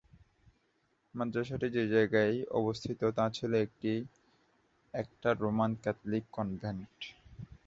মাদ্রাসাটি যে জায়গায় অবস্থিত তা ছিল একটি একটা রোমান ক্যাথলিক কনভেন্ট।